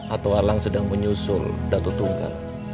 atowalang sedang menyusul datu tunggal